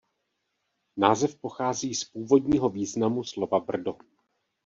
Název pochází z původního významu slova brdo.